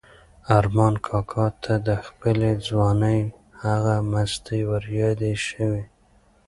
ارمان کاکا ته د خپلې ځوانۍ هغه مستۍ وریادې شوې.